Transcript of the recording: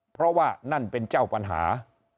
เพราะว่านั่นเป็นเจ้าปัญหา